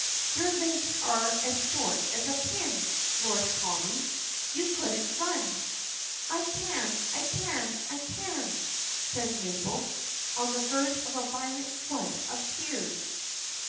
"Your legs are as short as a pin," roars Tommy; "you couldn't run." "I can. I can. I can," says Mabel, on the verge of a violent flood of tears.